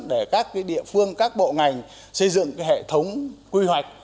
để các cái địa phương các bộ ngành xây dựng cái hệ thống quy hoạch